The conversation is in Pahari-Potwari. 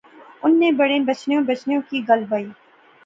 انیں بڑے بچنیاں بچنیاں کی گل بائی